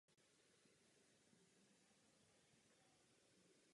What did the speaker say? Návštěvníkům město nenabízí mnoho příležitostí k prohlídce.